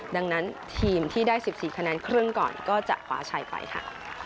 ดังนั้นทีมที่ได้๑๔คะแนนครึ่งก่อนก็จะคว้าชัยไปค่ะ